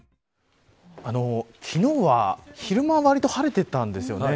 昨日は、昼間はわりと晴れていたんですよね。